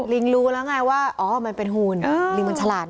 ลิงรู้แล้วไงว่าอ๋อมันเป็นหุ่นลิงมันฉลาด